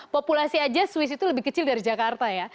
populasi aja swiss itu lebih kecil dari jakarta ya